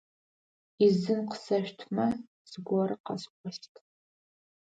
Ӏизын къысэшъутмэ, зыгорэ къэсӀощт.